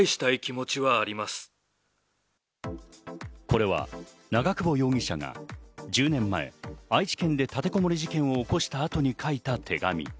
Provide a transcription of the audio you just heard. これは長久保容疑者が１０年前、愛知県で立てこもり事件を起こした後に書いた手紙。